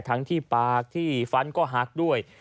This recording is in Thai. ทั้งที่ปากที่ฟันก็หักด้วย